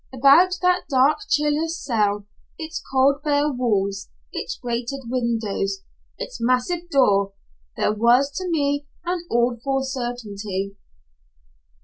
About that dark cheerless cell, its cold bare walls, its grated windows, its massive door, there was to me an awful certainty.